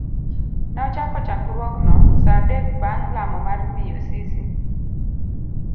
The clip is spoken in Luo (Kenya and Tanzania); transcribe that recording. Ne ochak chokruogno sa adek bang' lamo mar miyo Sisi.